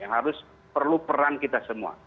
harus perlu peran kita semua